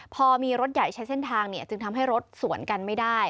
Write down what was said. พอมีรถใหญ่ใช้เส้นทางจึงทำให้รถสวนกันไม่ได้